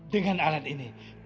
dengan alat ini